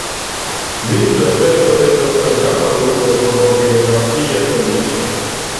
Vintra sporto estas la grava ludo pro geografia kondiĉo.